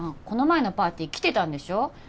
この前のパーティー来てたんでしょ？